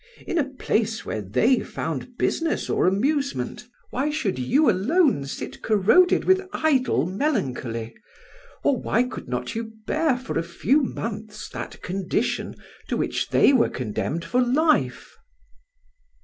In a place where they found business or amusement, why should you alone sit corroded with idle melancholy? or why could not you bear for a few months that condition to which they were condemned for life?"